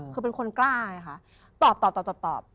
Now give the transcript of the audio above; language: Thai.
คือเป็นคนกล้าไงคะตอบ